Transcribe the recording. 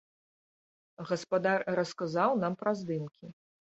Гаспадар расказаў нам пра здымкі.